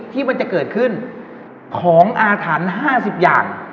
ที่มันจะเกิดขึ้นของอาถรรพ์๕๐อย่าง